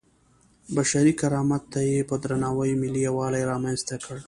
بشري کرامت ته یې په درناوي ملي یووالی رامنځته کړی.